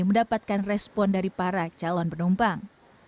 mendapatkan respon dari para calon penumpang